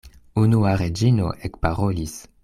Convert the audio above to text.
Unua Reĝino ekparolis.